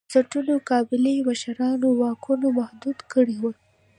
بنسټونو قبایلي مشرانو واکونه محدود کړي وو.